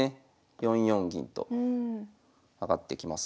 ４四銀と上がってきますが。